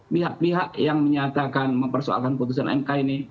pihak pihak yang menyatakan mempersoalkan putusan mk ini